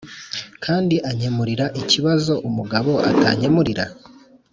kandi ankemurira ikibazo umugabo atankemurira?